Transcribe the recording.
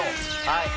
はい。